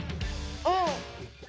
うん。